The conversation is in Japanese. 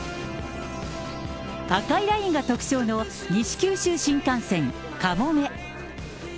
赤いラインが特徴の西九州新幹線かもめ。